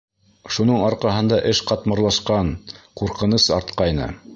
Шуның арҡаһында эш ҡатмарлашҡан, ҡурҡыныс артҡайны.